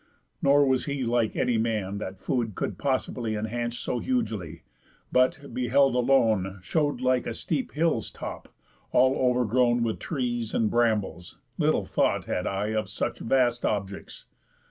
Nor was he Like any man that food could possibly Enhance so hugely, but, beheld alone, Show'd like a steep hill's top, all overgrown With trees and brambles; little thought had I Of such vast objects.